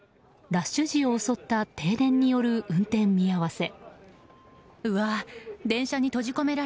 ラッシュ時を襲った停電による運転見合わせ。